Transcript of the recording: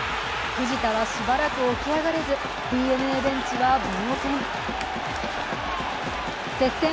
藤田はしばらく起き上がれず、ＤｅＮＡベンチはぼう然。